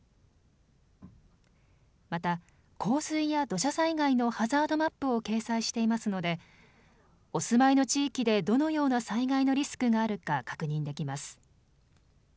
また、洪水や土砂災害のハザードマップを掲載していますのでお住まいの地域でどのような災害のリスクがあるか確認できます。